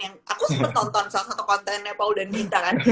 aku sempet nonton salah satu kontennya paul dan gita kan